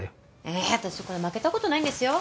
えー私これ負けた事ないんですよ。